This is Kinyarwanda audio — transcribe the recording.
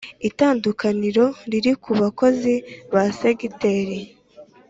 Itandukaniro riri ku Bakozi ba Segiteri.